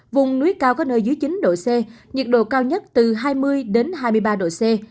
vùng núi cao có nơi dưới chín độ c nhiệt độ cao nhất từ hai mươi đến hai mươi ba độ c